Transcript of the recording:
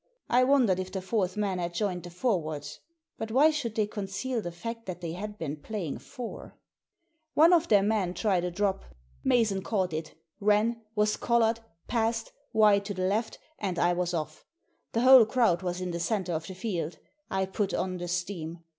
I wondered M Digitized by VjOOQIC l62 THE SEEN AND THE UNSEEN if the fourth man had joined the forwards. But why should they conceal the fact that they had been play ing four? One of their men tried a drop. Mason caught it, ran, was collared, passed — ^wide to the left — and I was off. The whole crowd was in the centre of the field. I put on the steam.